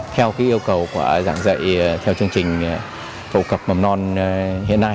theo cái yêu cầu của giảng dạy theo chương trình cầu cập mầm non hiện nay